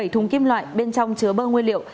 bảy thùng kim loại bên trong chứa bơ nguyên liệu